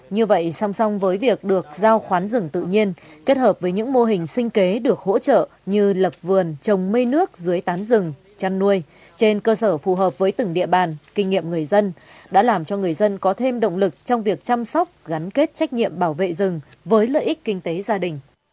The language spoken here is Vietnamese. như vậy song song với việc được giao khoán rừng tự nhiên kết hợp với những mô hình sinh kế được hỗ trợ như lập vườn trồng mây nước dưới tán rừng chăn nuôi trên cơ sở phù hợp với từng địa bàn kinh nghiệm người dân đã làm cho người dân có thêm động lực trong việc chăm sóc gắn kết trách nhiệm bảo vệ rừng với lợi ích kinh tế gia đình